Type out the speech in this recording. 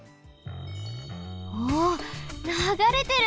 おおながれてる！